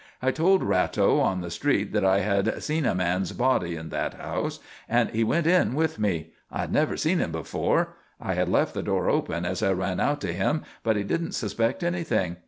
I told Ratto on the street that I had seen a man's body in that house and he went in with me. I had never seen him before. I had left the door open as I ran out to him, but he didn't suspect anything.